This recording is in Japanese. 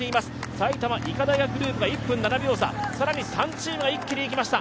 埼玉医科大学グループが１分７秒差、更に３チームが一気に行きました。